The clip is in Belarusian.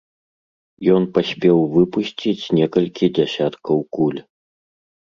Ён паспеў выпусціць некалькі дзясяткаў куль.